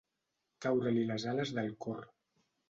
Caure-li les ales del cor.